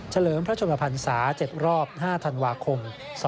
เลิมพระชนมพันศา๗รอบ๕ธันวาคม๒๕๖